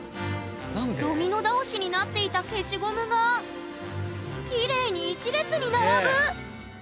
ドミノ倒しになっていた消しゴムがきれいに１列に並ぶ！